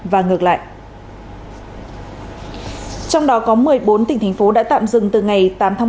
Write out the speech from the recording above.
và ngược lại trong đó có một mươi bốn tỉnh thành phố đã tạm dừng từ ngày tám tháng